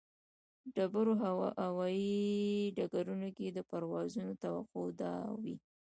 ډېرو هوایي ډګرونو کې د پروازونو توقع دا وي.